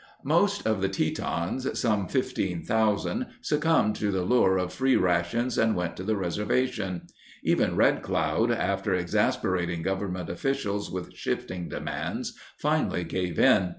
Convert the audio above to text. Most of the Tetons, some 15,000, succumbed to the lure of free rations and went to the reservation. Even Red Cloud, after exasperating Government officials with shifting demands, finally gave in.